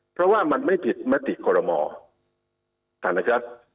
เพราะว่ามันไม่ผิดมติกรมอท่านนะครับ